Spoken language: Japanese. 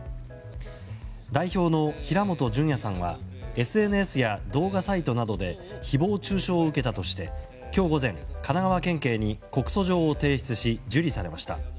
代表の平本淳也さんはＳＮＳや動画サイトなどで誹謗中傷を受けたとして今日午前、神奈川県警に告訴状を提出し受理されました。